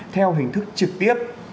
theo hình thức trực tiếp